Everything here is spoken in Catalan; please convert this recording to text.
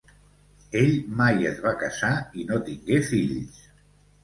Ell mai es va casar i no tingué fills.